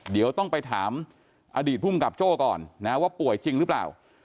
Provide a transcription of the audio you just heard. เดี๋ยวต้องไปถามอดีตภูมิกับโจ้ก่อนนะว่าป่วยจริงหรือเปล่า